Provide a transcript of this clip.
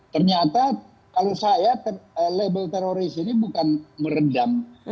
ternyata kalau saya label teroris ini bukan meredam